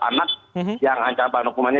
anak yang ancaman hukumannya